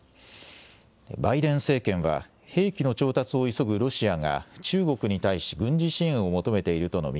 バイデン政権は、兵器の調達を急ぐロシアが中国に対し軍事支援を求めているとの見